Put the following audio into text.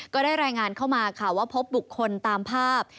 ก็ได้รายงานเข้ามาค่ะว่าพบบุคคลตามภาพ